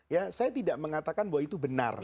ya saya tidak mengatakan bahwa itu benar